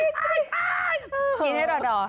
กรี๊ดให้รอดอ่ะ